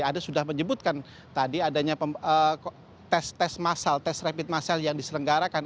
ada sudah menyebutkan tadi adanya tes tes masal tes rapid massal yang diselenggarakan